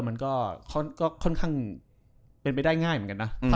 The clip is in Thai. มันก็ค่อนข้างเป็นไปได้ง่ายเหมือนกันนะ